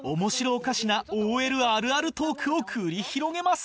おかしなＯＬあるあるトークを繰り広げます